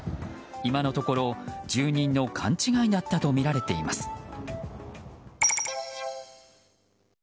今のところ住人の勘違いだったとみられています。